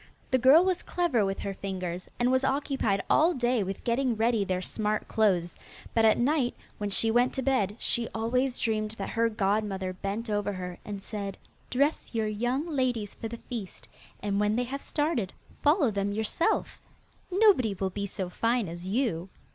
The girl was clever with her fingers, and was occupied all day with getting ready their smart clothes, but at night when she went to bed she always dreamed that her godmother bent over her and said, 'Dress your young ladies for the feast, and when they have started follow them yourself. Nobody will be so fine as you.